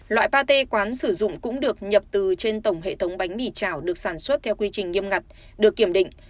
loại pa t quán sử dụng cũng được nhập từ trên tổng hệ thống bánh mì chảo được sản xuất theo quy trình nghiêm ngặt được kiểm định